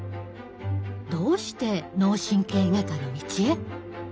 どうして脳神経外科の道へ？